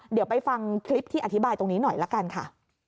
เดี๋ยวไปฟังคลิปที่อธิบายตรงนี้หน่อยละกันค่ะ